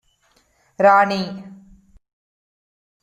ராணி: